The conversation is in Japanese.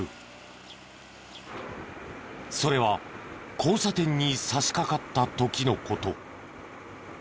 それは交差点に差しかかった時の事。